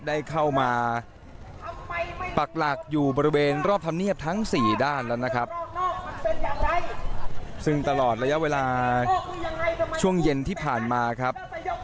ได้เข้ามาปักหลักอยู่บริเวณรอบธรรมเนียบทั้งสี่ด้านแล้วนะครับซึ่งตลอดระยะเวลาช่วงเย็นที่ผ่านมาครับ